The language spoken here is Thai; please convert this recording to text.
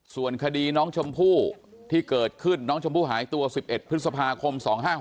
ส่วนคดีน้องชมพู่ที่เกิดขึ้นน้องชมพู่หายตัว๑๑พฤษภาคม๒๕๖๖